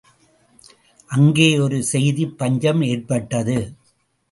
அங்கே ஒரு செய்திப் பஞ்சம் ஏற்பட்டது.